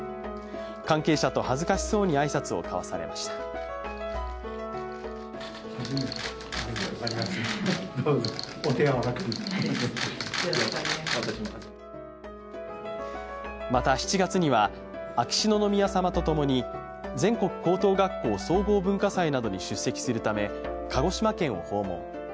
関係者と恥ずかしそうに挨拶を交わされましたまた、７月には、秋篠宮さまとともに全国高等学校総合文化祭などに出席するため鹿児島県を訪問。